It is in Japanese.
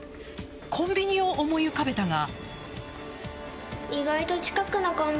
コンビニを思い浮かべたが。